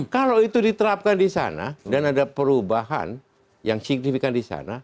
kalau itu diterapkan di sana dan ada perubahan yang signifikan di sana